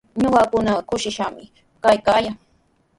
Ñuqakunaqa kushishqami kaykaayaa.